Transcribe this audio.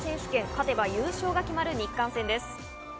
勝てば優勝が決まる日韓戦です。